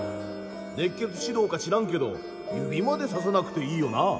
熱血指導か知らんけど指までささなくていいよな。